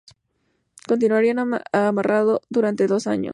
Continuaría amarrado durante dos años.